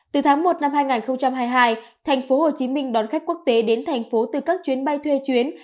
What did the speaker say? từ tháng một năm hai nghìn hai mươi hai thành phố hồ chí minh đón khách quốc tế đến thành phố từ các chuyến bay thuê chuyến